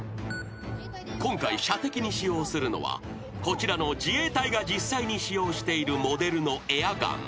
［今回射的に使用するのはこちらの自衛隊が実際に使用しているモデルのエアガン］